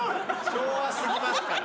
昭和過ぎますから。